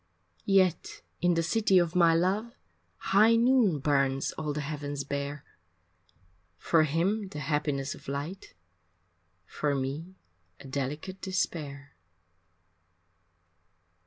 Yet in the city of my love High noon burns all the heavens bare For him the happiness of light, For me a delicate despair.